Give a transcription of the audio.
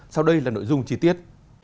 sau đây là nội dung trí tiết